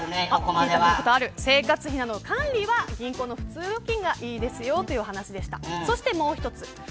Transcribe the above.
生活費などの管理は銀行の普通預金がいいですよという話でした。